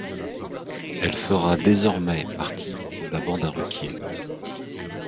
Elle fera désormais partie de la bande à Ruquier.